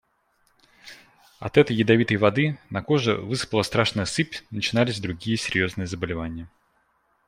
От этой ядовитой воды на коже высыпала страшная сыпь, начинались другие серьезные заболевания.